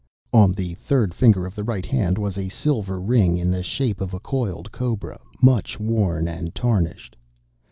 On the third finger of the right hand was a silver ring in the shape of a coiled cobra, much worn and tarnished.